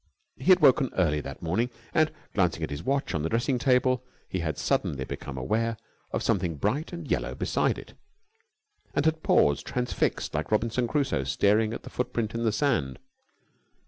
He had woken early that morning, and, glancing at his watch on the dressing table, he had suddenly become aware of something bright and yellow beside it, and had paused, transfixed, like Robinson Crusoe staring at the footprint in the sand.